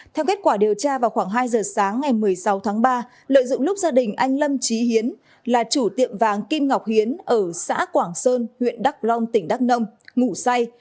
theo kết quả điều tra vào khoảng hai giờ sáng ngày một mươi sáu tháng ba lợi dụng lúc gia đình anh lâm trí hiến là chủ tiệm vàng kim ngọc hiến ở xã quảng sơn huyện đắk long tỉnh đắk nông ngủ say